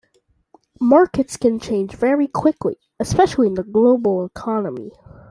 Markets can change very quickly, especially in the global economy.